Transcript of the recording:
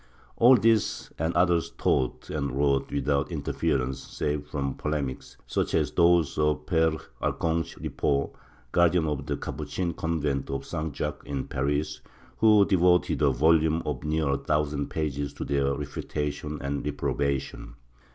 ^ All these and others taught and wrote without interference, save from polemics, such as those of Pere Archange Ripaut, Guardian of the Capuchin convent of S. Jacques in Paris, who devoted a volume of near a thousand pages to their refutation and reprobation.